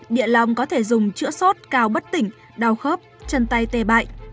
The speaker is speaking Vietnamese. địa long có thể dùng chữa sốt cao bất tỉnh đau khớp chân tay tê bại